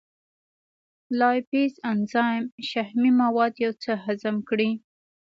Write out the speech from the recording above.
لایپیز انزایم شحمي مواد یو څه هضم کړي.